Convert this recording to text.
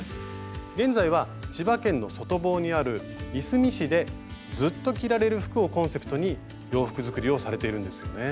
現在は千葉県の外房にあるいすみ市で「ずっと着られる服」をコンセプトに洋服作りをされているんですよね。